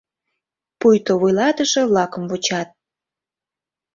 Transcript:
Пуйто вуйлатыше-влакым вучат.